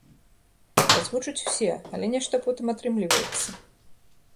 Бразгочуць усе, але нешта потым атрымліваецца.